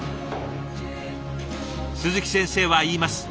鈴木先生は言います。